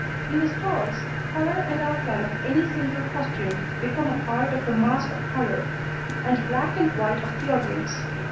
In the stalls, colour and outline of any single costume become a part of the mass of colour and black and white of the audience.